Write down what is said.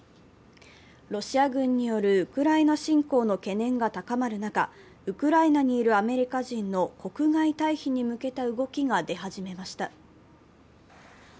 ロシア軍によるウクライナ侵攻の懸念が高まる中ウクライナにいるアメリカ人の国外退避に向けた動きが出始めました。